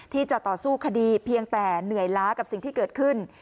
ที่จะต่อสู้คดีเพียงแต่เหนื่อยล้ากับสิ่งที่เกิดขึ้น